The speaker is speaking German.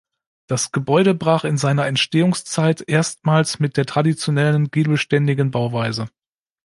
Das Gebäude brach in seiner Entstehungszeit erstmals mit der traditionellen giebelständigen Bauweise.